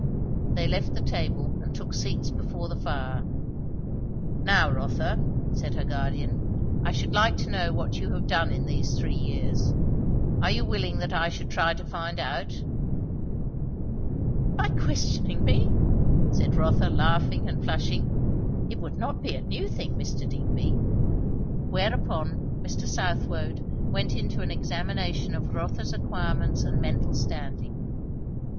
They left the table and took seats before the fire. "Now Rotha," said her guardian, "I should like to know what you have done in these three years. Are you willing that I should try to find out?" "By questioning me?" said Rotha laughing and flushing. "It would not be a new thing, Mr. Digby." Whereupon Mr. Southwode went into an examination of Rotha's acquirements and mental standing.